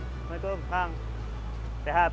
assalamualaikum kang sehat